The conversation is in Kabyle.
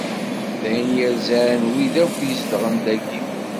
D ayen yerzan wid akk izedɣen dayi.